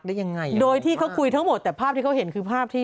ต้องมีแต่คนในโซเชียลว่าถ้ามีข่าวแบบนี้บ่อยทำไมถึงเชื่อขนาดใด